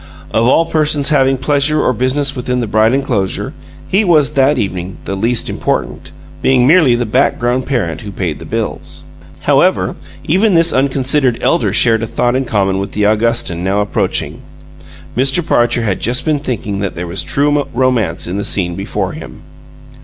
Of all persons having pleasure or business within the bright inclosure, he was, that evening, the least important; being merely the background parent who paid the bills. However, even this unconsidered elder shared a thought in common with the Augustan now approaching: Mr. Parcher had just been thinking that there was true romance in the scene before him.